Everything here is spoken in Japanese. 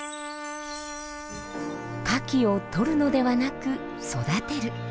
カキをとるのではなく育てる。